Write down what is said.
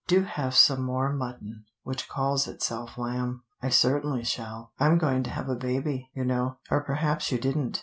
Do have some more mutton, which calls itself lamb. I certainly shall. I'm going to have a baby, you know, or perhaps you didn't.